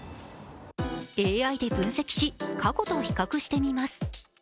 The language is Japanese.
ＡＩで分析し、過去と比較してみます。